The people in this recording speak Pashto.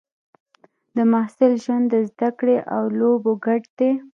د محصل ژوند د زده کړې او لوبو ګډ دی.